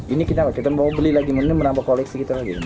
ini kita mau beli lagi menambah koleksi kita lagi